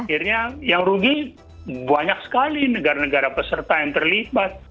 akhirnya yang rugi banyak sekali negara negara peserta yang terlibat